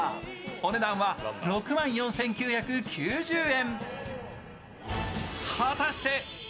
お値段は６万４９９０円。